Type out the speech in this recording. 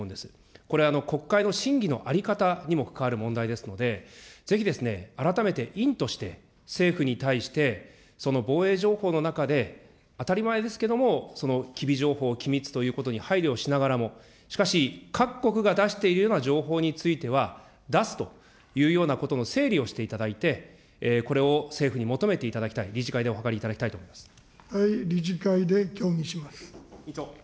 これ、国会の審議の在り方にも関わる問題ですので、ぜひ、改めていんとして、政府として、その防衛情報の中で、当たり前ですけれども、機微情報、機密ということに配慮をしながらも、しかし、各国が出しているような情報については、出すというようなことの整理をしていただいて、これを政府に求めていただきたい、理事会でお諮りいただきた理事会で協議します。